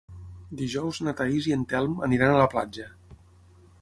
Dijous na Thaís i en Telm aniran a la platja.